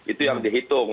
itu yang dihitung